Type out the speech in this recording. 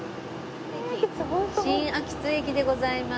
新秋津駅でございます。